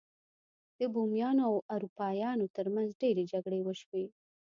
د بومیانو او اروپایانو ترمنځ ډیرې جګړې وشوې.